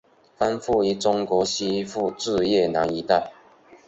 分布于中国西部至越南一带。